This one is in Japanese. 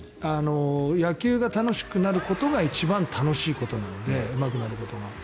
野球が楽しくなることが一番楽しいことなのでうまくなることが。